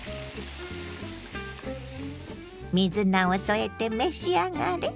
水菜を添えて召し上がれ。